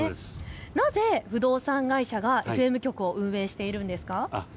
なぜ不動産会社がＦＭ局を運営しているんですか。